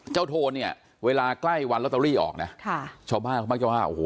โทนเนี่ยเวลาใกล้วันลอตเตอรี่ออกนะค่ะชาวบ้านเขามักจะว่าโอ้โห